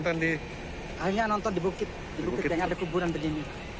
akhirnya nonton di bukit yang ada kuburan begini